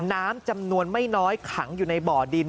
น้ำจำนวนไม่น้อยขังอยู่ในบ่อดิน